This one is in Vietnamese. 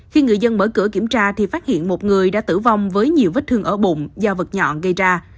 khi người dân mở cửa kiểm tra thì phát hiện một người đã tử vong với nhiều vết thương ở bụng do vật nhọn gây ra